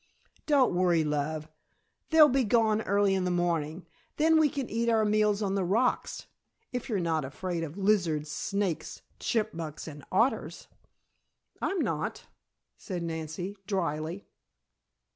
"Don't worry, love. They'll be gone early in the morning, then we can eat our meals on the rocks if you're not afraid of lizards, snakes, chipmunks and otters." "I'm not," said Nancy, dryly.